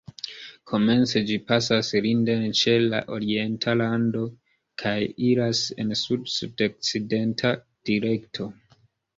Komence ĝi pasas Linden ĉe la orienta rando kaj iras en sud-sudokcidenta direkto.